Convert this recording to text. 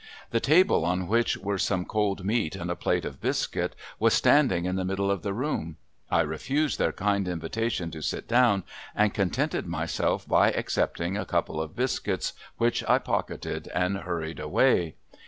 The table, on which were some cold meat and a plate of biscuit, was standing in the middle of the room. I refused their kind invitation to sit down and contented myself by accepting a couple of biscuits which I pocketed and hurried away.